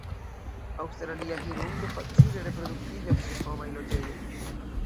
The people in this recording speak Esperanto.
Aŭstralia hirundo facile reproduktiĝas ĉe homaj loĝejoj.